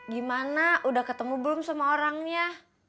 gimana udah ketemu belum semua orangnya